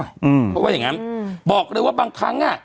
เพราะว่าอย่างงั้นบอกเลยว่าบางครั้งอ่ะ